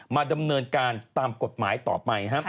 มาดำเนินการตามกฎหมายต่อไป